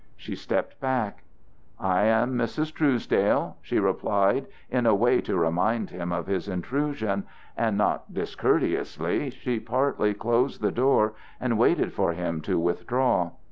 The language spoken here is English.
She stepped back. "I am Mrs. Truesdale," she replied in a way to remind him of his intrusion; and not discourteously she partly closed the door and waited for him to withdraw.